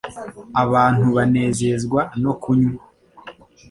abantu banezezwa no kunywa